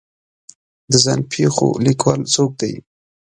د ځان پېښو لیکوال څوک دی